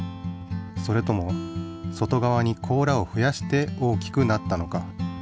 それとも外側に甲羅をふやして大きくなったのか？